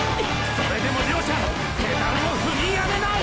それでも両者ペダルを踏み止めない！！